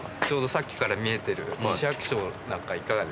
ちょうどさっきから見えてる。